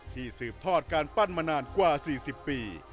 สืบทอดการปั้นมานานกว่า๔๐ปี